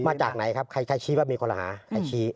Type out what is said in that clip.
มาจากไหนครับใครชี้ว่ามีคนหาใครชี้